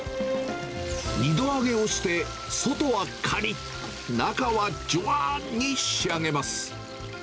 ２度揚げをして、外はかりっ、中はじゅわーに仕上げます。